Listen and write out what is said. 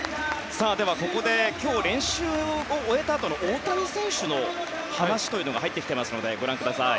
では、ここで今日、練習を終えたあとの大谷選手の話が入ってきていますのでご覧ください。